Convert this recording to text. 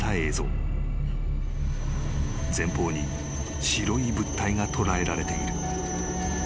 ［前方に白い物体が捉えられている］